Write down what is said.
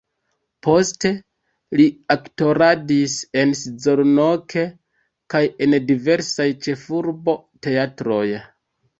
Poste li aktoradis en Szolnok kaj en diversaj ĉefurbaj teatroj.